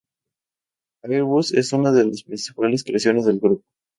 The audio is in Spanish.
Airbus es una de las principales creaciones del grupo.